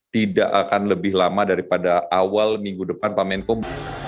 tidak akan lebih lama daripada awal minggu depan pemenpun